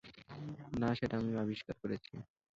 না, সেটা আমি আবিষ্কার করেছি।